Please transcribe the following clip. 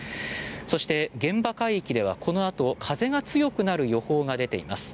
そして、現場海域ではこのあと風が強くなる予報が出ています。